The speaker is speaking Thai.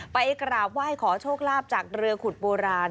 ไปกราบไหว้ขอโชคลาภจากเรือขุดโบราณ